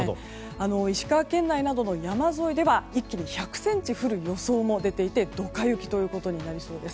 石川県内などの山沿いでは一気に１００ｃｍ降る予想もありドカ雪ということになりそうです。